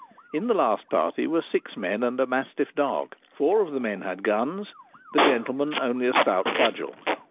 In the last party were six men and a mastiff dog ; four of the men had guns, the gentleman only a stout cudgel.